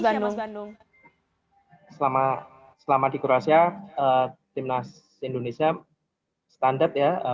bandung selama selama di croacia timnas indonesia standar ya